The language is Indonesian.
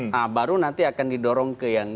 nah baru nanti akan didorong ke yang